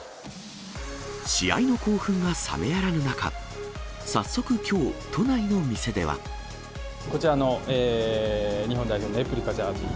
試合の興奮が冷めやらぬ中、こちら、日本代表のレプリカジャージー。